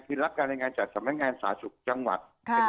คือรับการรายงานจากสมัครสมัครสมัครสลักษมุติ์จังหวัด